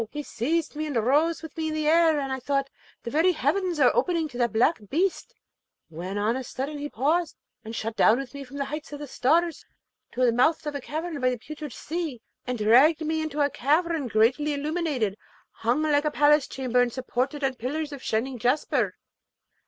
he seized me and rose with me in the air, and I thought the very heavens were opening to that black beast, when on a sudden he paused, and shot down with me from heights of the stars to the mouth of a cavern by the Putrid Sea, and dragged me into a cavern greatly illuminated, hung like a palace chamber, and supported on pillars of shining jasper.